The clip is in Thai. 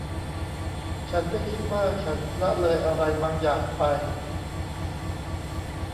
ฉันไม่คิดว่าฉันละเลยอะไรบางอย่างไป